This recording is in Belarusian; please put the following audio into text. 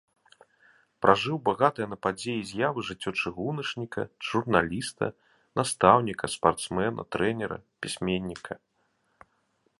Пражыў багатае на падзеі і з'явы жыццё чыгуначніка, журналіста, настаўніка, спартсмена, трэнера, пісьменніка.